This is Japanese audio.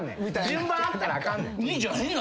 順番あったらあかんねん。